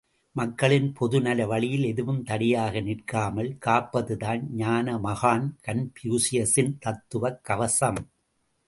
மக்களின் பொதுநல வழியில் எதுவும் தடையாக நிற்காமல் காப்பதுதான் ஞானமகான் கன்பூசியசின் தத்துவக் கவசம்.